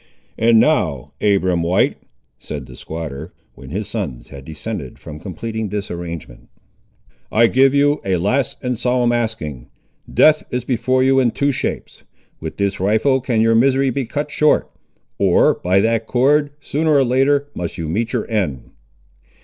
"And now, Abiram White," said the squatter, when his sons had descended from completing this arrangement, "I give you a last and solemn asking. Death is before you in two shapes. With this rifle can your misery be cut short, or by that cord, sooner or later, must you meet your end."